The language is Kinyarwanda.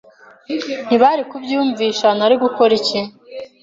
ntibari kubyiyumvisha Nari gukora iki?